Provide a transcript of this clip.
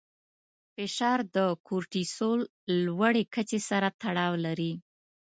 فشار د کورټیسول لوړې کچې سره تړاو لري.